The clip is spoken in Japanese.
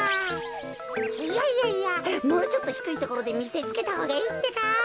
いやいやいやもうちょっとひくいところでみせつけたほうがいいってか。